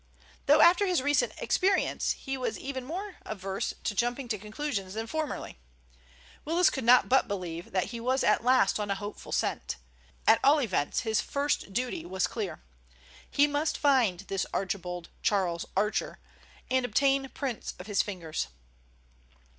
Though after his recent experience he was even more averse to jumping to conclusions than formerly, Willis could not but believe that he was at last on a hopeful scent. At all events his first duty was clear. He must find this Archibald Charles Archer, and obtain prints of his fingers.